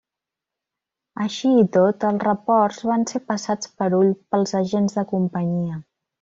Així i tot, els reports van ser passats per ull pels agents de Companyia.